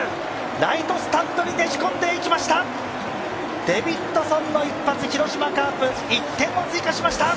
ライトスタンドにねじ込んでいきました、デビッドソンの一発、広島カープ、１点を追加しました。